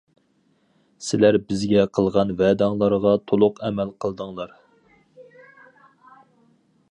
سىلەر بىزگە قىلغان ۋەدەڭلارغا تۇلۇق ئەمەل قىلدىڭلار.